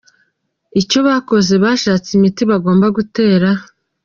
icyo bakoze bashatse imiti bagomba kuntera,.